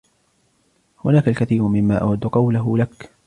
هناك الكثير مما أود قوله لك.